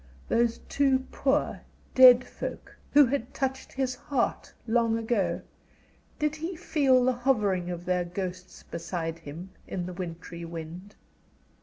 those two poor, dead folk, who had touched his heart long ago, did he feel the hovering of their ghosts beside him in the wintry wind?